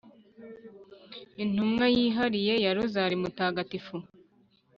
intumwa yihariye ya rozali mutagatifu